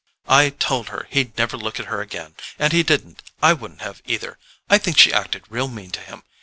"I TOLD her he'd never look at her again; and he didn't. I wouldn't have, either—I think she acted real mean to him.